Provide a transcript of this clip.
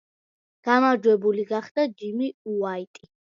გამარჯვებული გახდა ჯიმი უაიტი.